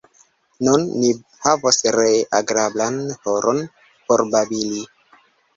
Nun ni havos ree agrablan horon por babili.